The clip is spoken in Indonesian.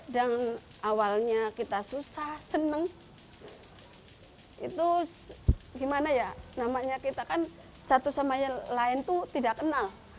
dan awalnya kita susah senang itu gimana ya namanya kita kan satu sama lain itu tidak kenal